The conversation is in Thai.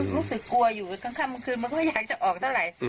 รู้สึกกลัวอยู่ทั้งค่ำกลางคืนมันก็อยากจะออกเท่าไหร่